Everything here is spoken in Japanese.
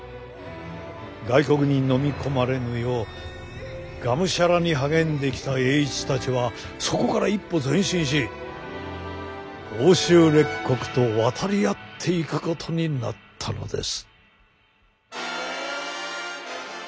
外国にのみ込まれぬようがむしゃらに励んできた栄一たちはそこから一歩前進し欧州列国と渡り合っていくことになったのです。